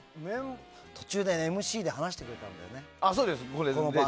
途中でＭＣで話してくれたのこの番組。